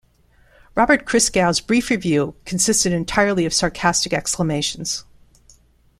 Robert Christgau's brief review consisted entirely of sarcastic exclamations.